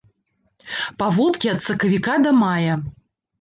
Паводкі ад сакавіка да мая.